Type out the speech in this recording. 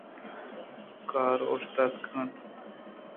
کار اوشتاتگ اَت